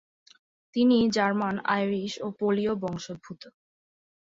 তিনি German, Irish, ও পোলীয় বংশোদ্ভূত।